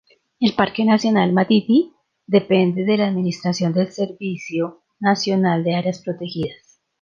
El Parque Nacional Madidi, depende de la administración del Servicio Nacional de Áreas Protegidas.